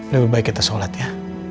lebih baik kita sholat ya